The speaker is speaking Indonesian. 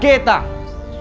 kita akan menangkap harimau